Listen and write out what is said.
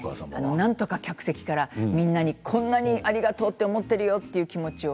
なんとか客席から、みんなにこんなにありがとうと思っているよという気持ちを。